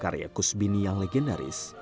karya kusbini yang legendaris